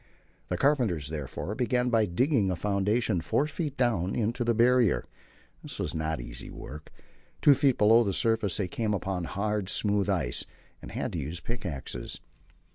The carpenters therefore began by digging a foundation 4 feet down into the Barrier. This was not easy work; 2 feet below the surface they came upon hard, smooth ice, and had to use pickaxes.